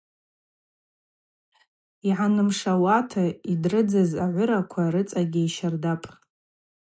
Йгӏанымшауата йдрыдзыз агӏвыраква рыцӏагьи йщардапӏ.